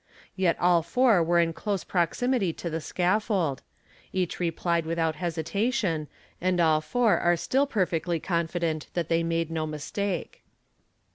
Yet all four were in close proximity to the scaffold; each replied without hesitation, and all four are still perfectly confident that they made no mistake.